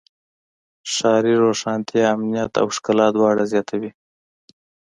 ښاري روښانتیا امنیت او ښکلا دواړه زیاتوي.